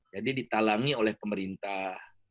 jadi ditalangi oleh pemerintah